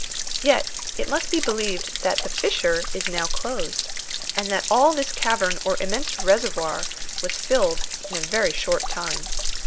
Yet it must be believed that that fissure is now closed, and that all this cavern or immense reservoir was filled in a very short time.